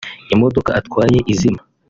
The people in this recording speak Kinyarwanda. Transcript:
imodoka atwaye izima